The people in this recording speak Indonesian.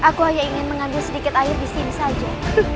aku hanya ingin mengambil sedikit air disini saja